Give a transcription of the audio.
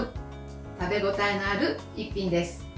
食べ応えのある１品です。